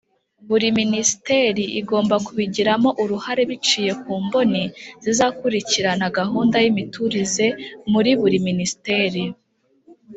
buri minisiteri igomba kubigiramo uruhare biciye ku mboni zizakurikirana gahunda y' imiturize muri buri minisiteri.